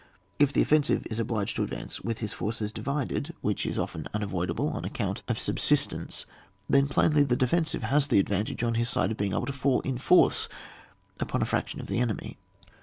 •— If the offensive is obliged to advance with his forces divided, which is often unavoidable on account of siAsistence, then plainly the defensive has the ad vantage on his side of being able to feill in force upon a fraction of the enemy.